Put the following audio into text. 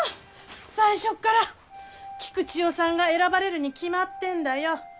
最初から菊千代さんが選ばれるに決まってんだよ。